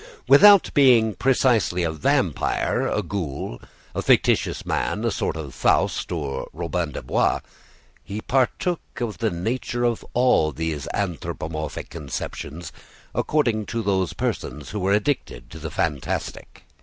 Without being precisely a vampire, a ghoul, a fictitious man, a sort of Faust or Robin des Bois, he partook of the nature of all these anthropomorphic conceptions, according to those persons who were addicted to the fantastic.